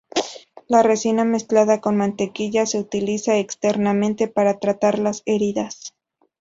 La resina, mezclada con mantequilla, se utiliza externamente para tratar las heridas.